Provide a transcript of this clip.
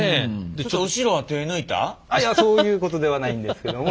あっいやそういうことではないんですけども。